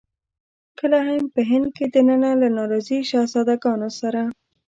کله هم په هند کې دننه له ناراضي شهزاده ګانو سره.